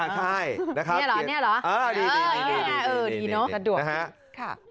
ใช่นะครับดี